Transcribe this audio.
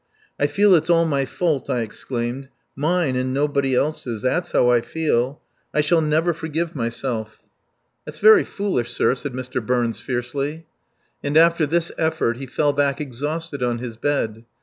"I feel it's all my fault," I exclaimed, "mine and nobody else's. That's how I feel. I shall never forgive myself." "That's very foolish, sir," said Mr. Burns fiercely. And after this effort he fell back exhausted on his bed.